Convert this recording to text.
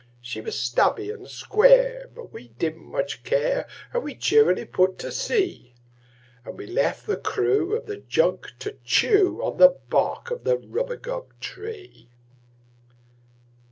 She was stubby and square, but we didn't much care, And we cheerily put to sea; And we left the crew of the junk to chew The bark of the rubagub tree.